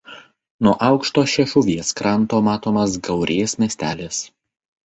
Nuo aukšto Šešuvies kranto matomas Gaurės miestelis.